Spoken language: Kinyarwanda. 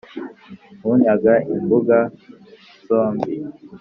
Unyaga imbuga zombi,